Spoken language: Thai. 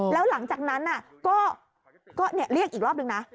แล้วหลังจากนั้นก็เรียกอีกรอบนึงนะ